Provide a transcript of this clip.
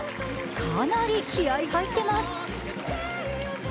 かなり気合い入ってます。